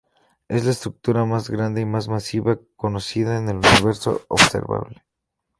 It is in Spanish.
Es la estructura más grande y más masiva conocida en el universo observable.